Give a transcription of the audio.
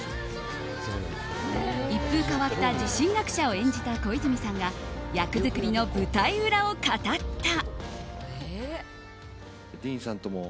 一風変わった地震学者を演じた小泉さんが役作りの舞台裏を語った。